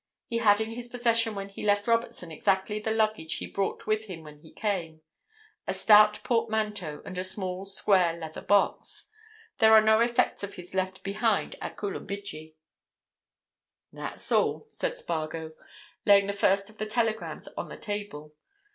He had in his possession when he left Robertson exactly the luggage he brought with him when he came—a stout portmanteau and a small, square leather box. There are no effects of his left behind at Coolumbidgee." "That's all," said Spargo, laying the first of the telegrams on the table.